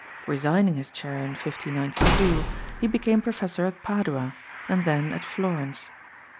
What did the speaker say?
Resigning his chair in 1592, he became professor at Padua, and then at Florence.